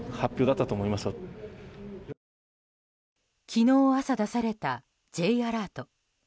昨日朝、出されたＪアラート。